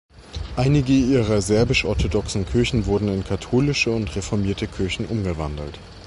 Einige ihrer serbisch-orthodoxen Kirchen wurden in katholische und reformierte Kirchen umgewandelt.